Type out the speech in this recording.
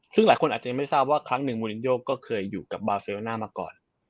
ซึ่งหลายคนอาจจะยังไม่ทราบว่าครั้งหนึ่งมูลินโยก็เคยอยู่กับบาวเซวาน่ามาก่อน